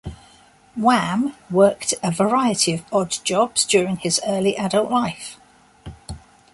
Wham worked a variety of odd jobs during his early adult life.